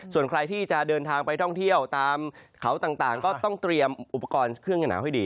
ส่วนใครที่จะเดินทางไปท่องเที่ยวตามเขาต่างก็ต้องเตรียมอุปกรณ์เครื่องหนาวให้ดี